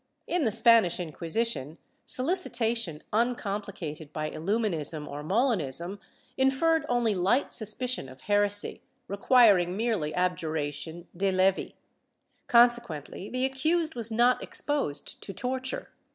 ^ In the Spanish Inquisition, solicitation uncomplicated by Illu minism or Molinism, inferred only light suspicion of heresy, requir ing merely abjuration de levi. Consequently the accused was not exposed to torture.